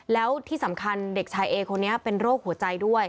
แล้วที่สำคัญเด็กชายเอคนนี้เป็นโรคหัวใจด้วย